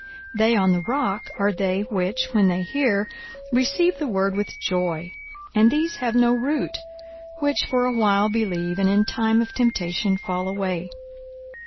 42:008:013 They on the rock are they, which, when they hear, receive the word with joy; and these have no root, which for a while believe, and in time of temptation fall away.